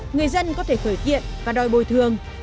người dân có thể khởi kiện và đòi bồi thường